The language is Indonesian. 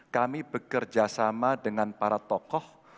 kami bekerja sama dengan para tokoh